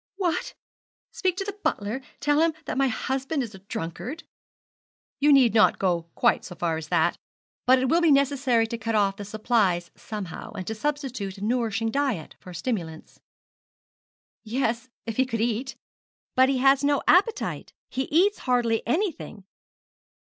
'What! speak to the butler? Tell him that my husband is a drunkard?' 'You need not go quite so far as that, but it will be necessary to cut off the supplies somehow, and to substitute a nourishing diet for stimulants.' 'Yes, if he could eat: but he has no appetite he eats hardly anything.'